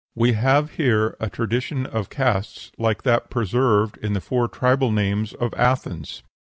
We have here a tradition of castes like that preserved in the four tribal names of Athens."